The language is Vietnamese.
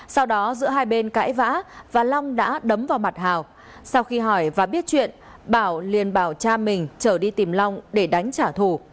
sau đó giữa hai bên cãi vã và long đã đấm vào mặt hào sau khi hỏi và biết chuyện bảo liền bảo cha mình trở đi tìm long để đánh trả thù